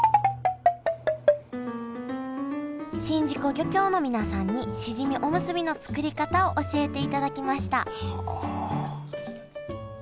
宍道湖漁協の皆さんにしじみおむすびの作り方を教えていただきましたはあ！